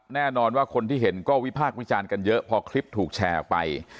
แน่นอนว่าคนที่เห็นก็วิพากษ์วิจารณ์กันเยอะพอคลิปถูกแชร์ออกไป